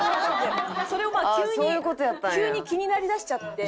それをまあ急に急に気になりだしちゃって。